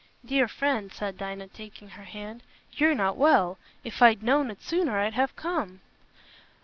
"Dear friend," said Dinah, taking her hand, "you're not well. If I'd known it sooner, I'd have come."